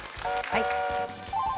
はい。